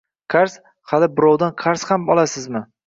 Qarz? Hali birovdan qarz ham olasizmi?